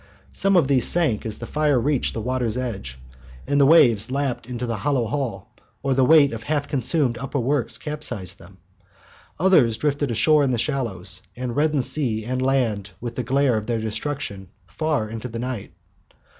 Some of these sank as the fire reached the water's edge, and the waves lapped into the hollow hull, or the weight of half consumed upper works capsized them. Others drifted ashore in the shallows, and reddened sea and land with the glare of their destruction far into the night.